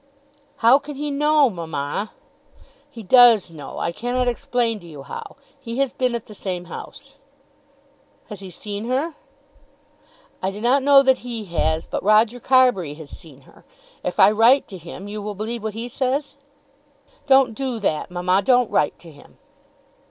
"How can he know, mamma?" "He does know. I cannot explain to you how. He has been at the same house." "Has he seen her?" "I do not know that he has, but Roger Carbury has seen her. If I write to him you will believe what he says?" "Don't do that, mamma. Don't write to him."